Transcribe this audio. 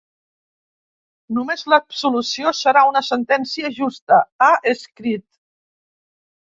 Només l’absolució serà una sentència justa, ha escrit.